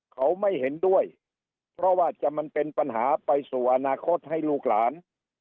เขาไม่เห็นด้วยเพราะว่าจะมันเป็นปัญหาไปสู่อนาคตให้ลูกหลาน